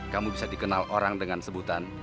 kamu bisa dikenal orang dengan sebutan